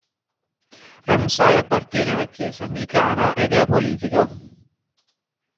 Ramsay appartiene alla chiesa anglicana ed è apolitico.